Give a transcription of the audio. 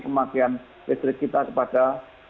pemakaian listrik kita kepada